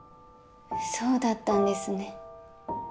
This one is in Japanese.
そうだったんですね。